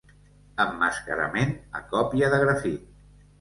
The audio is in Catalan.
Emmascarament a còpia de grafit.